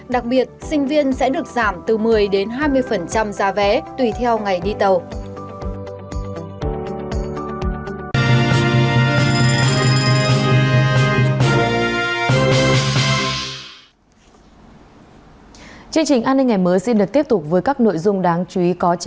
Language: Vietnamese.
đặc biệt sinh viên sẽ được giảm từ một mươi đến hai mươi giá vé tùy theo ngày đi tàu